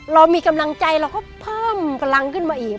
เรามีกำลังใจเราก็เพิ่มพลังขึ้นมาอีก